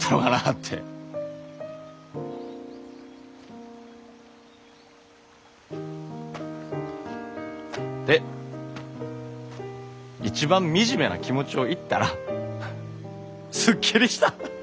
って一番惨めな気持ちを言ったらスッキリした！